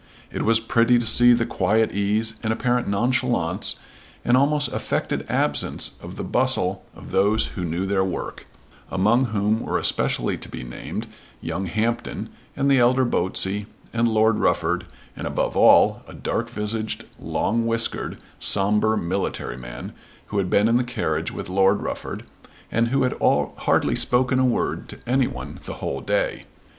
It was pretty to see the quiet ease and apparent nonchalance and almost affected absence of bustle of those who knew their work, among whom were especially to be named young Hampton, and the elder Botsey, and Lord Rufford, and, above all, a dark visaged, long whiskered, sombre, military man who had been in the carriage with Lord Rufford, and who had hardly spoken a word to any one the whole day.